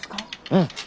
うん。